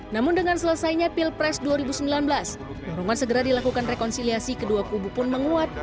namun dengan selesainya pilpres dua ribu sembilan belas dorongan segera dilakukan rekonsiliasi kedua kubu pun menguat